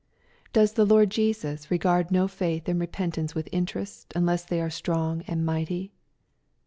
— Does the Lord Jesus regard no faith and repentance with interest, unless they are strong and mighty